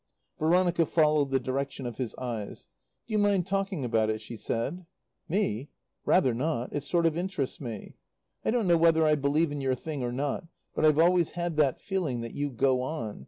Veronica followed the direction of his eyes. "Do you mind talking about it?" she said. "Me? Rather not. It sort of interests me. I don't know whether I believe in your thing or not; but I've always had that feeling, that you go on.